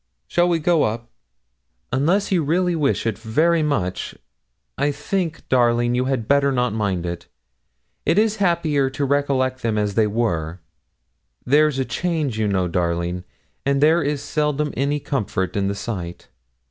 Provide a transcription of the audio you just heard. Shall we go up?' 'Unless you really wish it very much, I think, darling, you had better not mind it. It is happier to recollect them as they were; there's a change, you know, darling, and there is seldom any comfort in the sight.'